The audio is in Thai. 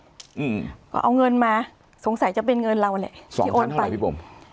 อืมก็เอาเงินมาสงสัยจะเป็นเงินเราแหละที่โอนไปพี่บุ๋ม